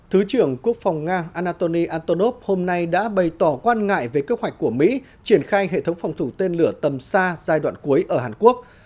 thứ trưởng quốc phòng nga anatoni antonov hôm nay đã bày tỏ quan ngại về kế hoạch của mỹ triển khai hệ thống phòng thủ tên lửa tầm xa giai đoạn cuối ở hàn quốc